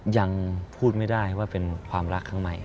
ยังพูดไม่ได้ว่าเป็นความรักข้างใน